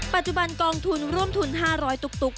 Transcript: ปัจจุบันกองทุนร่วมทุน๕๐๐ตุ๊ก